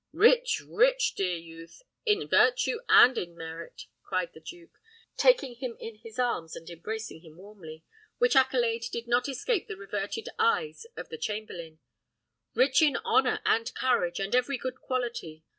"Rich, rich, dear youth, in virtue and in merit!" cried the duke, taking him in his arms and embracing him warmly, which accolade did not escape the reverted eyes of the chamberlain; "rich in honour and courage, and every good quality.